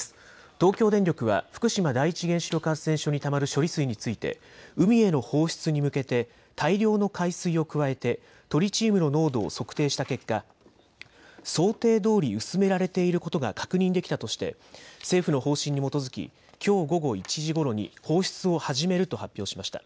東京電力は福島第一原子力発電所にたまる処理水について海への放出に向けて大量の海水を加えてトリチウムの濃度を測定した結果、想定どおり薄められていることが確認できたとして政府の方針に基づき、きょう午後１時ごろに放出を始めると発表しました。